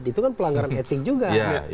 itu kan pelanggaran etik juga